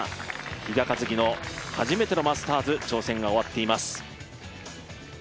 比嘉一貴の初めてのマスターズ、挑戦が終わっています。